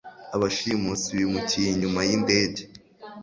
Abashimusi bimukiye inyuma yindege.